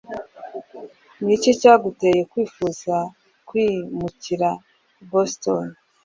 Niki cyaguteye kwifuza kwimukira i Boston?